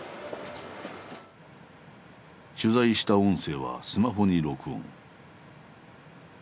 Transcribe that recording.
取材した音声はスマホに録音。